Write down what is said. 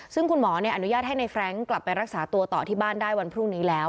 ซึ่งคุณหมออนุญาตให้ในแร้งกลับไปรักษาตัวต่อที่บ้านได้วันพรุ่งนี้แล้ว